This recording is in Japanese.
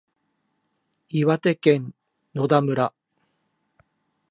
岩手県野田村